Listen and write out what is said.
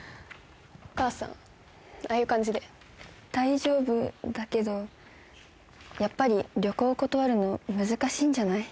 お母さんああいう感じで大丈夫だけどやっぱり旅行断るの難しいんじゃない？